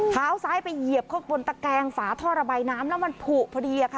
เท้าซ้ายไปเหยียบเข้าบนตะแกงฝาท่อระบายน้ำแล้วมันผูกพอดีอะค่ะ